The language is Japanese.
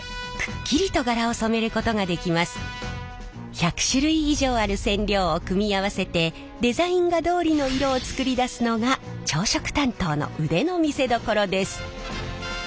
１００種類以上ある染料を組み合わせてデザイン画どおりの色を作り出すのが調色担当の腕の見せどころです。